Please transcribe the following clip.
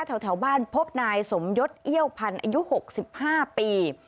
แถวบ้านพบนายสมยศเอี้ยวพันธุ์อายุ๖๕ปี